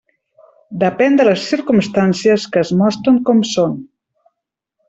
Depèn de les circumstàncies que es mostren com són.